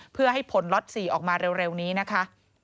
เพื่อให้ผลล็อต๔ออกมาเร็วนี้นะคะ